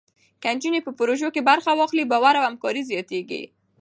که نجونې په پروژو کې برخه واخلي، باور او همکاري زیاتېږي.